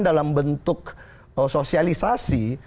dalam bentuk sosialisasi